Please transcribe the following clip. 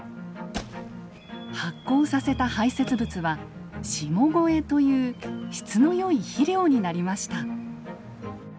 発酵させた排せつ物は「下肥」という質の良い肥料になりました。